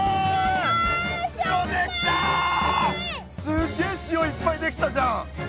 すっげえ塩いっぱい出来たじゃん。